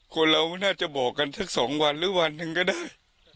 คนเราน่าจะบอกกันสัก๒วันหรือวันหนึ่งก็ได้